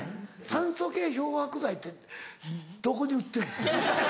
酸素系漂白剤ってどこに売ってんの？